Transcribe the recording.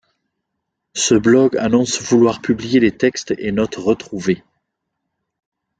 Ce blog annonce vouloir publier les textes et notes retrouvées.